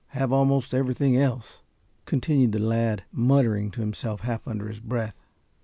Have almost everything else," continued the lad, muttering to himself, half under his breath.